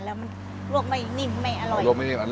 แล้วมันรวบไม่นิ่มไม่อร่อย